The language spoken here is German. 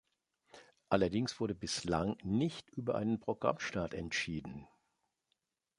Allerdings wurde bislang nicht über einen Programmstart entschieden.